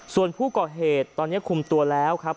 ส่วนผู้ก่อเหตุตอนนี้คุมตัวแล้วครับ